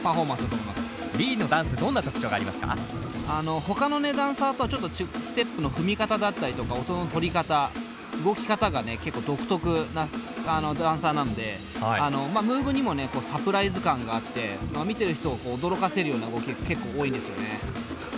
ほかのダンサーとはちょっと違うステップの踏み方だったりとか音のとり方動き方が結構独特なダンサーなんでムーブにもサプライズ感があって見てる人を驚かせるような動きが結構多いんですよね。